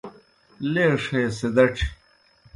لیݜ ہے سِدَڇھیْ